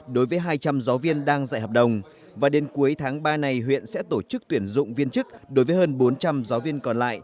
đối với hai trăm linh giáo viên đang dạy hợp đồng và đến cuối tháng ba này huyện sẽ tổ chức tuyển dụng viên chức đối với hơn bốn trăm linh giáo viên còn lại